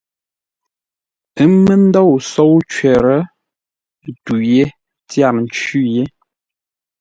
Ə́ mə́ ndôu sóu cwər, tû yé tyâr ńcwí yé.